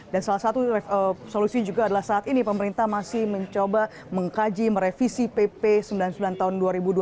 dan salah satu solusi juga adalah saat ini pemerintah masih mencoba mengkaji merevisi pp sembilan puluh sembilan tahun dua ribu dua belas